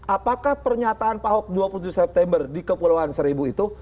apakah pernyataan pak ahok dua puluh tujuh september di kepulauan seribu itu